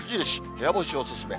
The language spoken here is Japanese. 部屋干しお勧め。